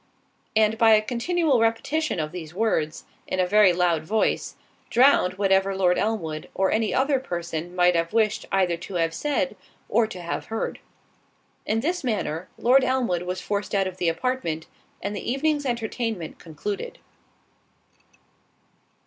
And by a continual repetition of these words, in a very loud voice, drowned whatever Lord Elmwood, or any other person might have wished either to have said or to have heard. In this manner, Lord Elmwood was forced out of the apartment, and the evening's entertainment concluded.